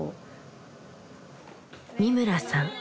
三村さん